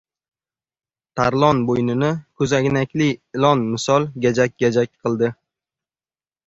Tarlon bo‘ynini ko‘zoynakli ilon misol gajak- gajak qildi.